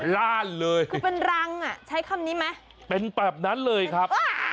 ล่านเลยคือเป็นรังอ่ะใช้คำนี้ไหมเป็นแบบนั้นเลยครับ